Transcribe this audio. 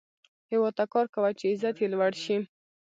هیواد ته کار کوه، چې عزت یې لوړ شي